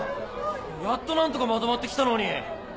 やっと何とかまとまってきたのに！